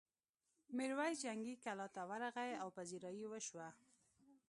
میرويس جنګي کلا ته ورغی او پذيرايي یې وشوه.